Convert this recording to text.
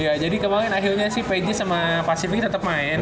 iya jadi kemarin akhirnya sih pages sama pacific tetep main